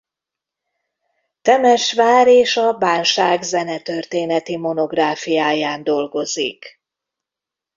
Temesvár és a Bánság zenetörténeti monográfiáján dolgozik.